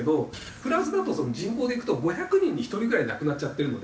フランスだと人口でいくと５００人に１人ぐらい亡くなっちゃってるので。